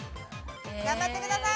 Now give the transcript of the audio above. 頑張ってください。